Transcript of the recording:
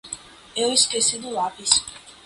Eu esqueci do lápis.